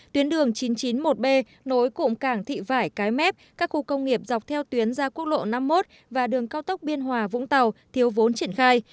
tuyến đường chín trăm chín mươi một b nối cụm cảng thị vải cái mép các khu công nghiệp dọc theo tuyến ra quốc lộ năm mươi một và đường cao tốc biên hòa vũng tàu thiếu vốn triển khai